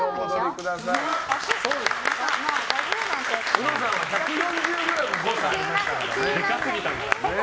うのさんは１４０ｇ誤差がありましたからね。